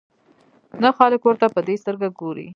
نه خلک ورته په دې سترګه ګوري.